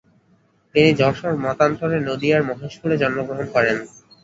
তিনি যশোর মতান্তরে নদীয়ার মহেশপুরে জন্মগ্রহণ করেন।